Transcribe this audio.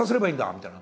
みたいな。